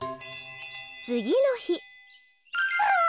つぎのひわあ！